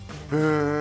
へえ！